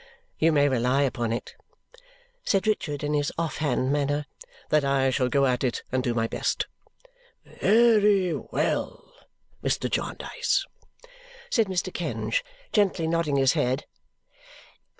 "You may rely upon it," said Richard in his off hand manner, "that I shall go at it and do my best." "Very well, Mr. Jarndyce!" said Mr. Kenge, gently nodding his head.